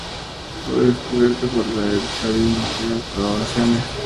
Fue descubierto por Gael Chauvin y colaboradores.